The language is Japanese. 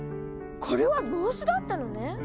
これは帽子だったのね！